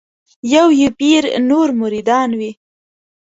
یو یې پیر نور مریدان وي